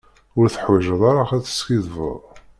Ur teḥwaǧeḍ ara ad teskiddbeḍ.